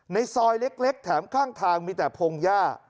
ในซอยเล็กแถมข้างทางมีแต่พงหญ้า